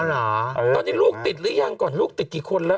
เออนี่ลูกติดรึยังก่อนลูกติดกี่คนละ